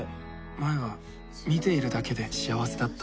前は見ているだけで幸せだった。